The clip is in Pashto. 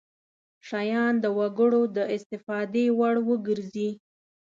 شیان د وګړو د استفادې وړ وګرځي.